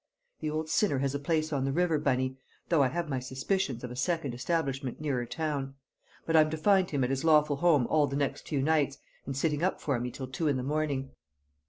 "The old sinner has a place on the river, Bunny, though I have my suspicions of a second establishment nearer town. But I'm to find him at his lawful home all the next few nights, and sitting up for me till two in the morning."